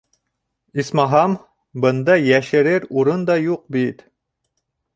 Исмаһам, бында йәшерер урын да юҡ бит.